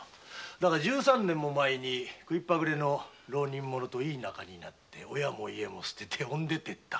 だが十三年も前に食いっぱぐれの浪人者といい仲になって親も家も捨てて出て行った。